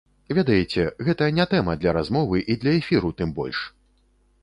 Ведаеце, гэта не тэма для размовы і для эфіру тым больш!